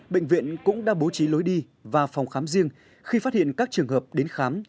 bệnh viện cũng đã bố trí lối đi và phòng khám riêng khi phát hiện các trường hợp đến khám